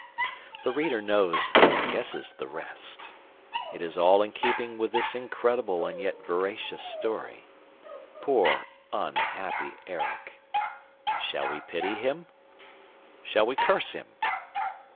The reader knows and guesses the rest. It is all in keeping with this incredible and yet veracious story. Poor, unhappy Erik! Shall we pity him? Shall we curse him?